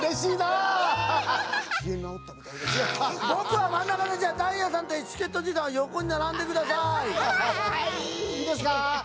いいですか？